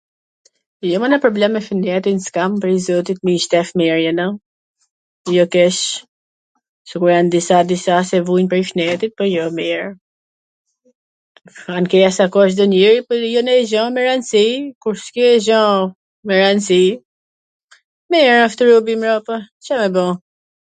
Jo, mo nonj problem me shwmdetin s kam prej zotit tash mir jena, jo keq, sikur jan disa qw vujn prej shnetit, po jo, mir, ankesa ka Cdo njeri po jo nanj gja me randsi, kur s ke gja me randsi, mir asht robi mbrapa, Car me ba?